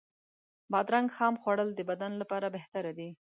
بادرنګ خام خوړل د بدن لپاره بهتر دی.